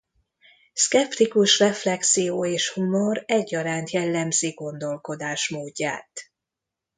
Szkeptikus reflexió és humor egyaránt jellemzi gondolkodásmódját.